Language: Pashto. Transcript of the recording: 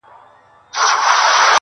د مسافر لالي د پاره٫